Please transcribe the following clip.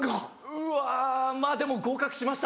うわまぁでも合格しました。